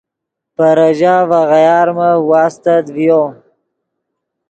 پے ریژہ ڤے غیارمف واستت ڤیو